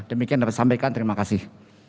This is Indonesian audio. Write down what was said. demikian yang saya sampaikan terima kasih